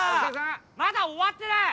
まだ終わってない！